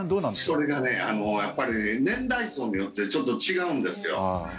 それがやっぱり年代層によってちょっと違うんですよ。